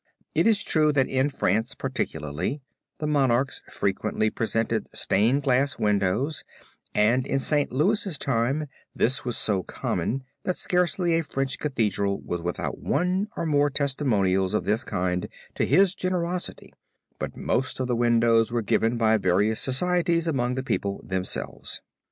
It is true that in France, particularly, the monarchs frequently presented stained glass windows and in St. Louis time this was so common that scarcely a French Cathedral was without one or more testimonials of this kind to his generosity; but most of the windows were given by various societies among the people themselves.